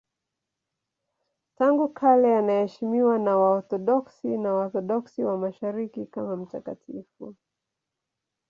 Tangu kale anaheshimiwa na Waorthodoksi na Waorthodoksi wa Mashariki kama mtakatifu.